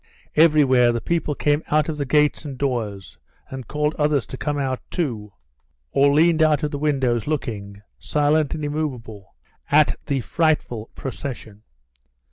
Everywhere the people came out of the gates and doors, and called others to come out, too, or leaned out of the windows looking, silent and immovable, at the frightful procession.